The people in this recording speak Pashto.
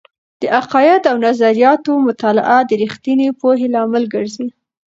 د عقائد او نظریاتو مطالعه د رښتینې پوهې لامل ګرځي.